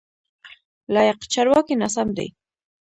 لایق: چارواکی ناسم دی.